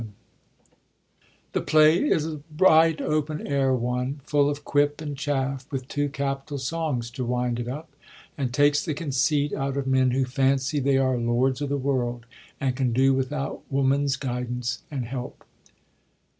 77 THE COMEDY OF ERRORS The play is a bright open air one, full of quip and chaff, with two capital songs to wind it up, and takes the conceit out of men who fancy they are lords of the world, and can do without woman's guidance and help.